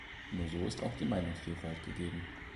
Nur so ist auch die Meinungsvielfalt gegeben.